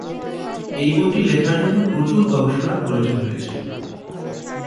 এই বইটি লেখার জন্য প্রচুর গবেষণার প্রয়োজন হয়েছিল।